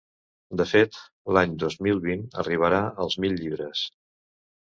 De fet, l’any dos mil vint arribarà als mil llibres.